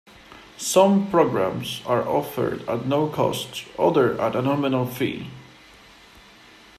Some programs are offered at no cost, others at a nominal fee.